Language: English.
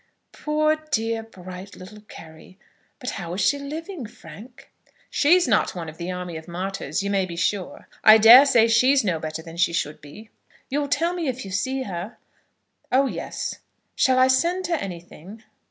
"Poor, dear, bright little Carry! But how is she living, Frank?" "She's not one of the army of martyrs, you may be sure. I daresay she's no better than she should be." "You'll tell me if you see her?" "Oh, yes." "Shall I send her anything?"